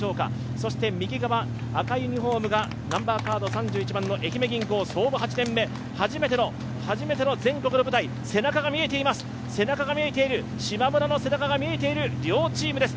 そして右側、赤いユニフォームが３１番の愛媛銀行、創部８年目初めての全国の舞台、背中が見えています、しまむらの背中が見えている両チームです。